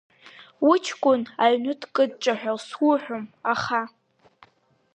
Уҷкәын аҩны дкыдҿаҳәал сҳәом, аха…